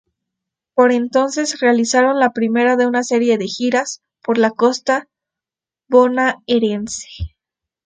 Por entonces realizaron la primera de una serie de giras por la costa bonaerense.